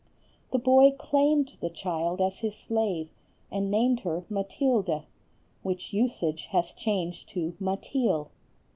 The boy claimed the child as his slave, and named her Matilde, which usage has changed to Mateel.